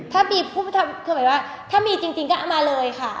ถ้ามีผู้ทำคือหมายว่าถ้ามีจริงก็เอามาเลยค่ะ